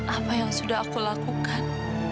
apa yang sudah aku lakukan